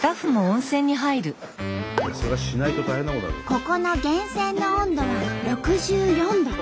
ここの源泉の温度は６４度。